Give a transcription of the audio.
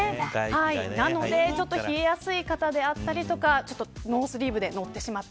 なので冷えやすい方であったりとかノースリーブで乗ってしまった。